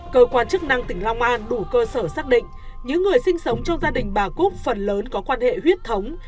cơ quan chức năng tp hcm đủ cơ sở xác định những người sinh sống trong gia đình bà cúc phần lớn có quan hệ huyết thống